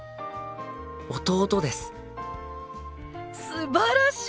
すばらしい！